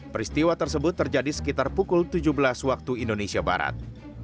peristiwa tersebut terjadi sekitar pukul tujuh belas waktu indonesia barat